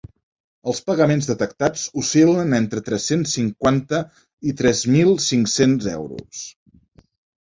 Els pagaments detectats oscil·len entre tres-cents cinquanta i tres mil cinc-cents euros.